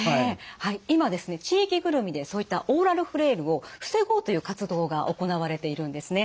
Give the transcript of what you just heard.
はい今ですね地域ぐるみでそういったオーラルフレイルを防ごうという活動が行われているんですね。